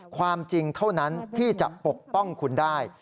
ความจริงเท่านั้นที่จะปกป้องคุณได้